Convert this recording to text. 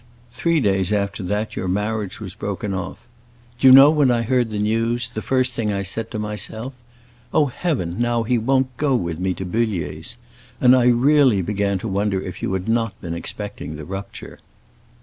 Three days after that your marriage was broken off. Do you know, when I heard the news, the first thing I said to myself? 'Oh heaven, now he won't go with me to Bullier's!' And I really began to wonder if you had not been expecting the rupture."